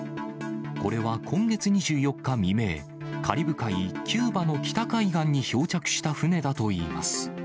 これは今月２４日未明、カリブ海キューバの北海岸に漂着した船だといいます。